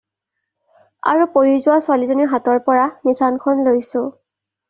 আৰু পৰি যোৱা ছোৱালীজনীৰ হাতৰ পৰা নিচানখন লৈছোঁ।